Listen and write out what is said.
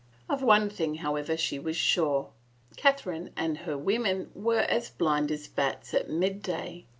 Of one thing, however, she was sure — Catherine and her women were blind as bats at midday.